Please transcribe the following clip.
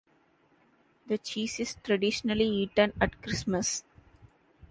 The cheese is traditionally eaten at Christmas.